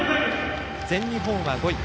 全日本は５位。